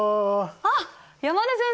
あっ山根先生！